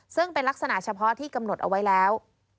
ซึ่งเป็นลักษณะเฉพาะที่กำหนดเอาไว้แล้ว